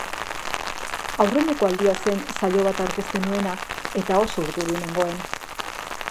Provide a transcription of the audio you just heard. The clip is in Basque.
Aurreneko aldia zen saio bat aurkezten nuena eta oso urduri nengoen.